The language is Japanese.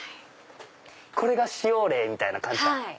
これが使用例みたいな感じだ。